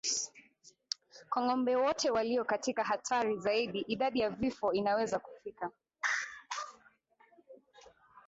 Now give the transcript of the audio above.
Kwa ngombe wote walio katika hatari zaidi idadi ya vifo inaweza kufika